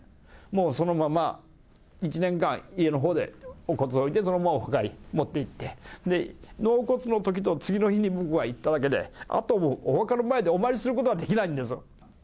もうそのまま１年間、家のほうでお骨を置いて、そのまま持っていって、納骨のときと次の日に僕は行っただけで、あともう、お墓の前でお参りすることができないんです。